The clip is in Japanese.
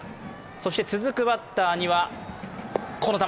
そして続くバッターにはこの球。